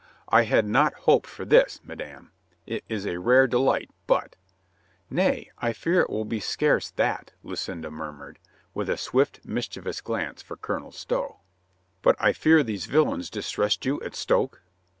"I had not hoped for this, madame. It is a rare delight, but —" "Nay, I fear it will be scarce that," Lucinda mur mured, with a swift, mischievous glance for Colonel Stow. "But I fear these villains distressed you at Stoke?"